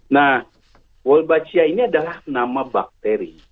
nah wolbachia ini adalah nama bakteri